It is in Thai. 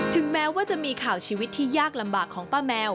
ถึงแม้ว่าจะมีข่าวชีวิตที่ยากลำบากของป้าแมว